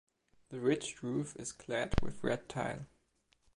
The ridged roof is clad with red tile.